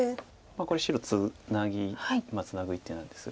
これ白ツナギツナぐ一手なんですが。